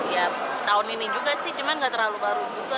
ya tahun ini juga sih cuman gak terlalu baru juga